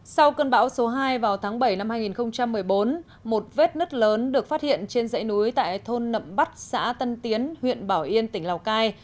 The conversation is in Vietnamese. sau cơn bão số hai vào tháng bảy năm hai nghìn một mươi bốn một vết nứt lớn được phát hiện trên dãy núi tại thôn nậm bắc xã tân tiến huyện bảo yên tỉnh lào cai